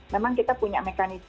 memang kita punya mekanisme